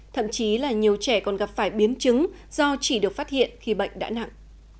thậm chí là nhiều trẻ còn gặp phải biến chứng do chỉ được phát hiện khi bệnh đã nặng